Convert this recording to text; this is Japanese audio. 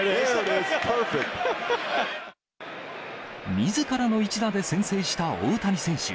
みずからの一打で先制した大谷選手。